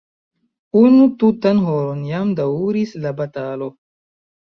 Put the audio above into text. Unu tutan horon jam daŭris la batalo.